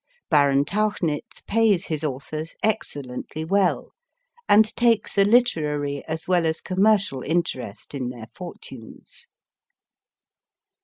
Baron Tauchnitz pays his authors excellently well, and takes a literary as w r ell as commercial interest in their fortunes.